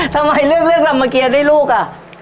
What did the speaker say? ทำไมเลือกลำเมอเกียร์ด้วยลูกอ่ะ